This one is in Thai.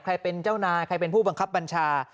ใครเป็นเจ้านายใครเป็นผู้บังคับบัญชา